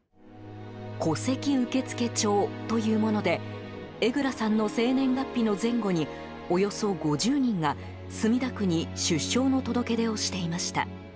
戸籍受付帳というもので江蔵さんの生年月日の前後におよそ５０人が墨田区に出生の届け出をしていました。